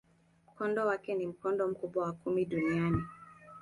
Mkondo wake ni mkondo mkubwa wa kumi duniani.